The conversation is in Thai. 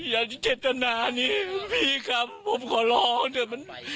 อย่าก็เจ็ดตนานี่พี่ครับผมขอร้องนี่